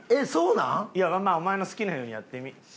いやまあお前の好きなようにやってみ。